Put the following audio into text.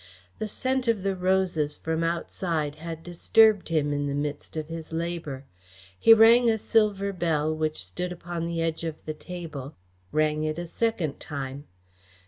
The scent of the roses from outside had disturbed him in the midst of his labour. He rang a silver bell which stood upon the edge of the table rang it a second time.